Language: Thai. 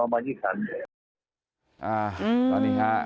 ผมก็ไปเรียกเชี่ยงความเชี่ยงความตอนออกมาที่ถัน